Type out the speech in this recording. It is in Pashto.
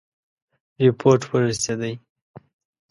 رپوټ ورسېدی.